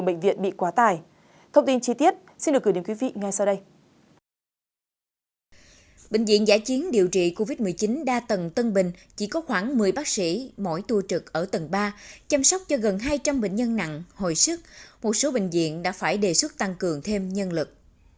bệnh viện giã chiến điều trị covid một mươi chín đa tầng tân bình chỉ có khoảng một mươi bác sĩ mỗi tua trực ở tầng ba chăm sóc cho gần hai trăm linh bệnh nhân nặng hồi sức một số bệnh viện đã phải đề xuất tăng cường thêm nhân lực